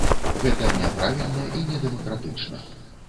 Гэта няправільна і не дэмакратычна.